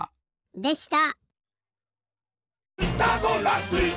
でした！